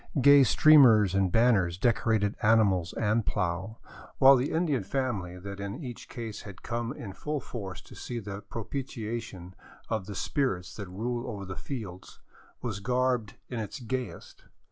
Gay streamers and ban ners decorated animals and plow, while the Indian family that in each case had come in full force to see the propitiation of the spirits that rule over the fields, was garbed in its gayest.